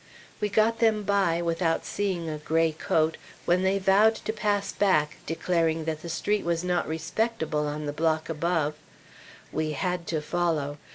We got them by without seeing a gray coat, when they vowed to pass back, declaring that the street was not respectable on the block above. We had to follow.